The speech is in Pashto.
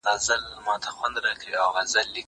دا لوبه له هغه خوندوره ده!